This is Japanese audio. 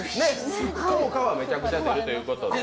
効果はめちゃくちゃ出るということで。